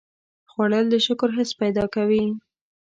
خوړل د شکر حس پیدا کوي